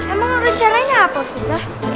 emang rencananya apa ustazah